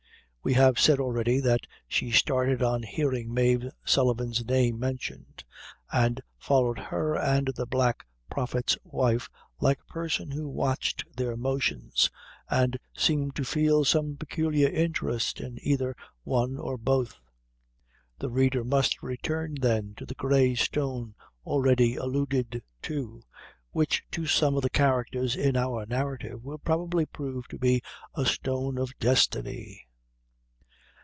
We have said already that she started on hearing Mave Sullivan's name mentioned, and followed her and the Black Prophet's wife like a person who watched their motions, and seemed to feel some peculiar interest in either one or both. The reader must return, then, to the Grey Stone already alluded to, which to some of the characters in our narrative will probably prove to be a "stone of destiny."